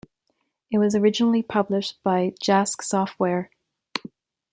It was originally published by Jasc Software.